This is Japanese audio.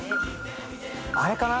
あれかな？